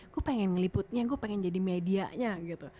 gue pengen ngeliputnya gue pengen jadi medianya gitu